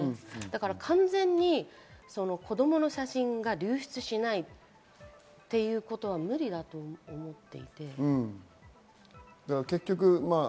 完全に子供の写真が流出しないということは無理だと思います。